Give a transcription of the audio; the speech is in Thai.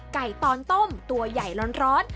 ตอนต้มตัวใหญ่ร้อน